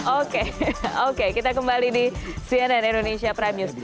oke oke kita kembali di cnn indonesia prime news